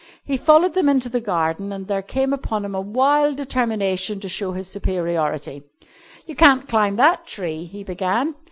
He followed them into the garden, and there came upon him a wild determination to show his superiority. "You can't climb that tree," he began.